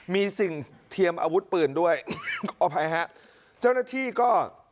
มีสิ่งเทียมอาวุธปืนด้วยขออภัยฮะเจ้าหน้าที่ก็